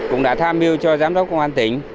cũng đã tham mưu cho giám đốc công an tỉnh